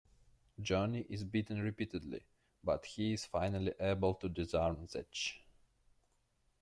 Johnny is beaten repeatedly, but he is finally able to disarm Zatch.